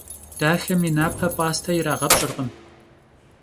Daxem yi nape p'aste yirağepş'ırkhım.